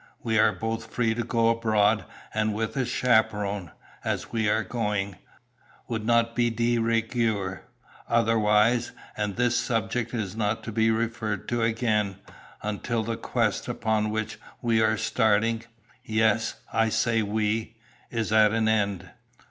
We are both free to go abroad, and with a chaperone, as we are going, would not be de rigueur otherwise; and this subject is not to be referred to again, until the quest upon which we are starting yes, I say we is at an end.